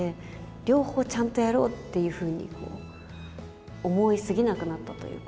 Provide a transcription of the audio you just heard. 両方ちゃんとやろうっていうふうに思いすぎなくなったというか。